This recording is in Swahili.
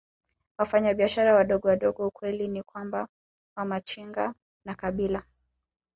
Wafanyabiashara wadogowadogo Ukweli ni kwamba Wamachinga ni kabila